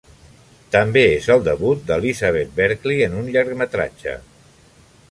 També és el debut d'Elizabeth Berkley en un llargmetratge.